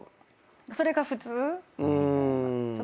それが普通。